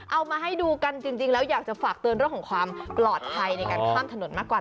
เอามาให้ดูกันจริงแล้วอยากจะฝากเตือนเรื่องของความปลอดภัยในการข้ามถนนมากกว่า